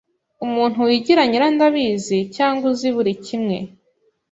Umuntu wigira nyirandabizi cyangwa uzi buri kimwe